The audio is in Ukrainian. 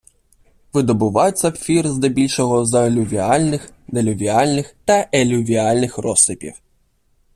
Видобувають сапфіри здебільшого з алювіальних, делювіальних та елювіальних розсипів